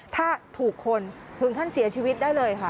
ถ้าถูกคนถึงขั้นเสียชีวิตได้เลยค่ะ